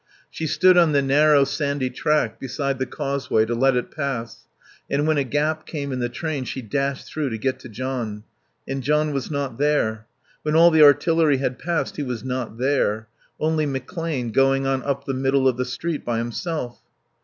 She stood on the narrow sandy track beside the causeway to let it pass, and when a gap came in the train she dashed through to get to John. And John was not there. When all the artillery had passed he was not there; only McClane, going on up the middle of the street by himself.